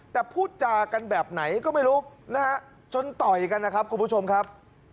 แต่พูดจากันแบบไหนก็ไม่รู้นะฮะจนต่อยกันนะครับคุณผู้ชมครับ